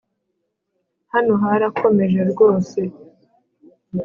hano harakomeje rwose.